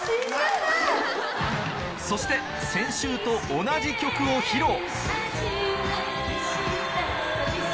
そして先週と同じ曲を披露